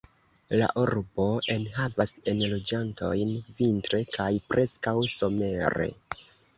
La urbo enhavas enloĝantojn vintre, kaj preskaŭ somere.